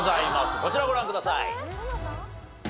こちらご覧ください。